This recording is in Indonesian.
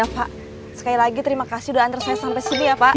nah dengan ilmu itu bu yoyo bisa menciptakan agen agen baru yang bagus